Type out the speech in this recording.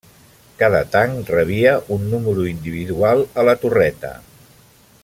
Cada tanc rebia un número individual a la torreta.